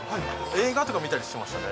映画とか見たりしてましたね。